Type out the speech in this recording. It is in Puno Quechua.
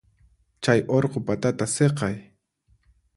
Chay urqu patata siqay.